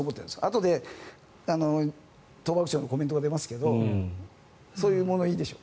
あとで統幕長のコメントが出ますけどそういう物言いでしょう。